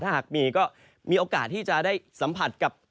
ถ้าหากมีก็มีโอกาสที่จะได้สัมผัสกับ